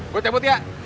gue cabut ya